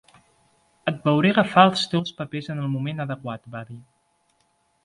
"Et veuré agafar els teus papers en el moment adequat", va dir.